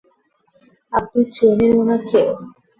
আপনি চেনেন উনাকে?